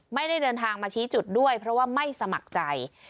ไม่ได้เดินทางมาชี้จุดด้วยเพราะว่าไม่สมัครใจ